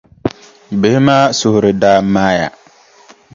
Bihi maa suhiri daa maaya.